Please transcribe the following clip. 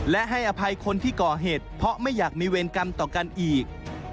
และให้อภัยคนที่ก่อเหตุเพราะไม่อยากมีเวรกรรมต่อกันอีก